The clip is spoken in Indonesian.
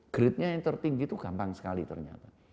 grade nya yang tertinggi itu gampang sekali ternyata